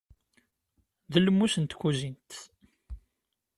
D lmus n tkuzint.